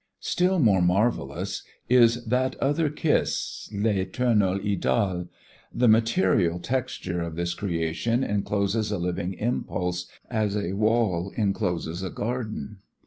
Still more marvelous is that other kiss "L'éternelle Idole." The material texture of this creation encloses a living impulse as a wall encloses a garden.